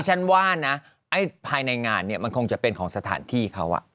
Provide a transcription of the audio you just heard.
ฉันว่านะภายในงานเนี่ยมันคงจะเป็นของสถานที่เขา